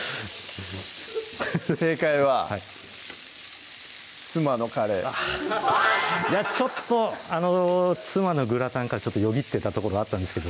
正解は妻のカレーちょっと「妻のグラタン」からよぎってたところあったんですが